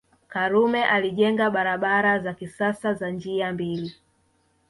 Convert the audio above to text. Karume alijenga barabara za kisasa za njia mbili